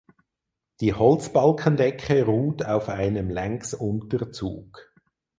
Die Holzbalkendecke ruht auf einem Längsunterzug.